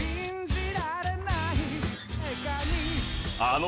［あの］